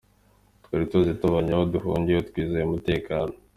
Ati “Twari tuzi ko tubonye abo duhungiraho, twizeye umutekano.